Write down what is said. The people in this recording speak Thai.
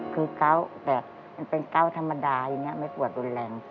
คือเกาะแบบมันเป็นเก้าธรรมดาอย่างนี้ไม่ปวดรุนแรง